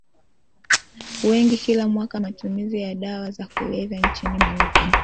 wengi Kila mwaka matumizi ya dawa za kulevya nchini Marekani